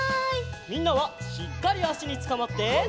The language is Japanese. みんなはしっかりあしにつかまって！